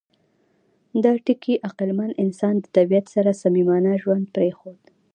دا ټکي عقلمن انسان د طبیعت سره صمیمانه ژوند پرېښود.